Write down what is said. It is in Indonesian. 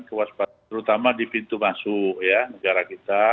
terutama di pintu masuk negara kita